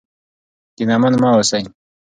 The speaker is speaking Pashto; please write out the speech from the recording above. کینمن مه اوسئ.